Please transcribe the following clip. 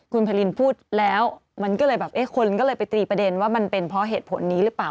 คุณไพรินพูดแล้วมันก็เลยแบบเอ๊ะคนก็เลยไปตีประเด็นว่ามันเป็นเพราะเหตุผลนี้หรือเปล่า